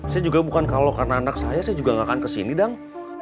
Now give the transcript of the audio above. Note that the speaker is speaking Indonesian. saya juga bukan kalau karena anak saya saya juga gak akan kesini dong